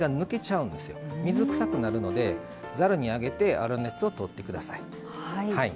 水くさくなるのでざるにあげて粗熱をとって下さい。